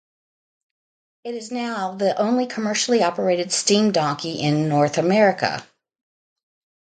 It is now the only commercially operating steam donkey in North America.